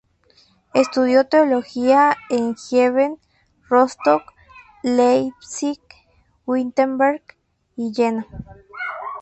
Estudió Teología en Gießen, Rostock, Leipzig, Wittenberg y Jena.